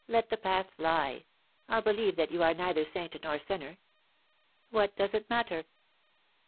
* Let the past lie. I'll be lieve that you are neither saint nor sinner. What does it matter?